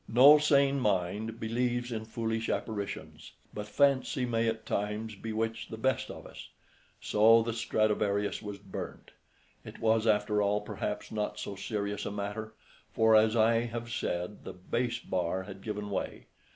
No sane mind believes in foolish apparitions, but fancy may at times bewitch the best of us. So the Stradivarius was burnt. It was, after all, perhaps not so serious a matter, for, as I have said, the bass bar had given way.